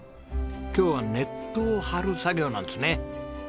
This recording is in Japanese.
今日はネットを張る作業なんですね。